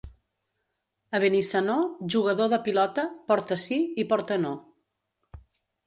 A Benissanó, jugador de pilota, porta sí i porta no.